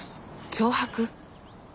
脅迫？